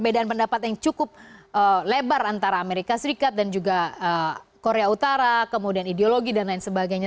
dan pendapat yang cukup lebar antara amerika serikat dan juga korea utara kemudian ideologi dan lain sebagainya